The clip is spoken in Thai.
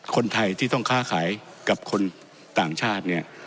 คนไทยที่ต้องค้าขายกับคนต่างชาติเนี่ย